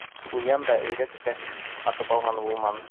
Ҡуян да, өйрәк тә атып алғаны булманы.